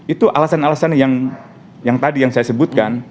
itu alasan alasan yang tadi yang saya sebutkan